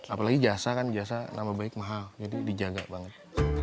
apalagi jasa kan jasa nama baik mahal jadi dijaga banget